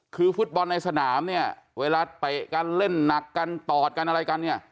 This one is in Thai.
คือฟุตบอลในสนามเนี่ยเวลาเตะกันเล่นหนักกันตอดกันอะไรกันเนี่ย